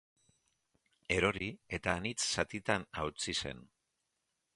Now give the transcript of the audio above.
Erori eta anitz zatitan hautsi zen.